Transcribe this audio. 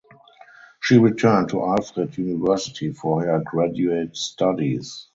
She returned to Alfred University for her graduate studies.